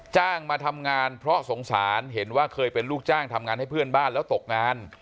จ้างมาทำงานเพราะสงสารเห็นว่าเคยเป็นลูกจ้างทำงานให้เพื่อนบ้านแล้วตกงาน